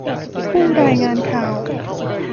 ผู้รายงานข่าว